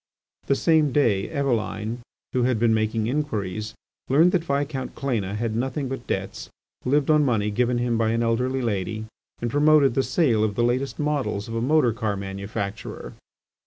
The same day Eveline, who had been making inquiries, learned that Viscount Cléna had nothing but debts, lived on money given him by an elderly lady, and promoted the sale of the latest models of a motor car manufacturer.